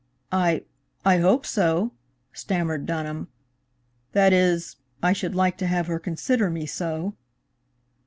"I I hope so," stammered Dunham. "That is, I should like to have her consider me so."